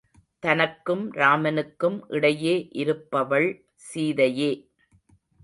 தனக்கும் ராமனுக்கும் இடையே இருப்பவள் சீதையே.